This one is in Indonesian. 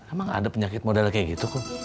emang ada penyakit modal kayak gitu kum